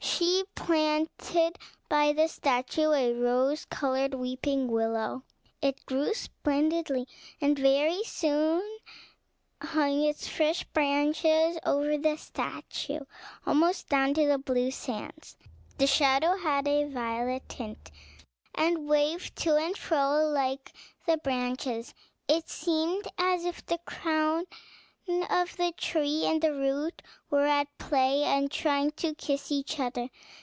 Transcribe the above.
She planted by the statue a rose colored weeping willow. It grew splendidly, and very soon hung its fresh branches over the statue, almost down to the blue sands. The shadow had a violet tint, and waved to and fro like the branches; it seemed as if the crown of the tree and the root were at play, and trying to kiss each other.